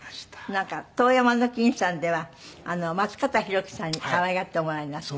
なんか『遠山の金さん』では松方弘樹さんに可愛がっておもらいになって。